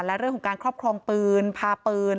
และเรื่องของการครอบครองปืนพาปืน